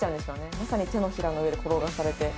まさに手のひらの上で転がされて。